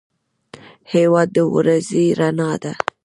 هېواد د ورځې رڼا ده.